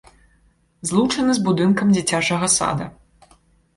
Злучаны з будынкам дзіцячага сада.